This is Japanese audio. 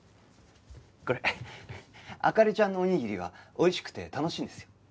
これ灯ちゃんのおにぎりはおいしくて楽しいんですよ。